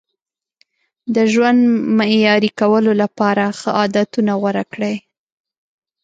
د ژوند معیاري کولو لپاره ښه عادتونه غوره کړئ.